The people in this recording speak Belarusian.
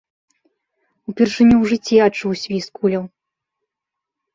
Упершыню ў жыцці адчуў свіст куляў.